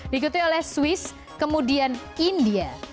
diikuti oleh swiss kemudian india